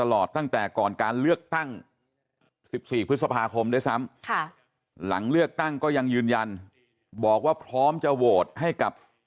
เลือกกั้งก็ยังยืนยันบอกว่าพร้อมจะโหวตให้กับ